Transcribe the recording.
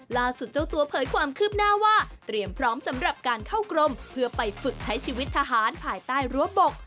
เจ้าตัวเผยความคืบหน้าว่าเตรียมพร้อมสำหรับการเข้ากรมเพื่อไปฝึกใช้ชีวิตทหารภายใต้รั้วบก